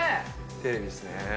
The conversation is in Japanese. テレビですね。